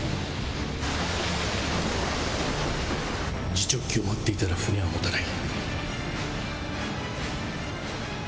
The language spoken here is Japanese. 次直機を待っていたら船は持たない